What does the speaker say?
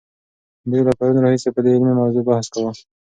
دوی له پرون راهیسې په دې علمي موضوع بحث کاوه.